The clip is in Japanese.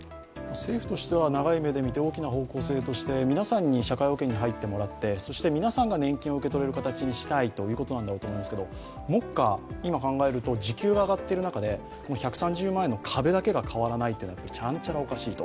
政府としては長い目で見て、大きな方向性として皆さんに社会保険に入ってもらってそして皆さんが年金を受け取れる形にしたいんだと思うんですけど目下、今考えると時給が上がっている中で１３０万円の壁だけが変わらないというのはちゃんちゃらおかしいと。